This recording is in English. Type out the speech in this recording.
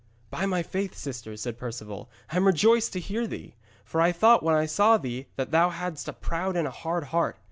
'By my faith, sister,' said Perceval, 'I am rejoiced to hear thee. For I thought when I saw thee that thou hadst a proud and a hard heart.